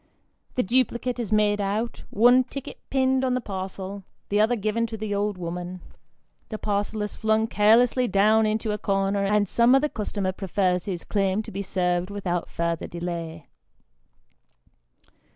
The duplicate is made out, one ticket pinned on the parcel, the other given to the old woman ; the parcel is flung carelessly down into a corner, and some other customer prefers his claim to be served without further delay.